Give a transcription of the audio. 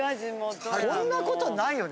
こんなことないよね？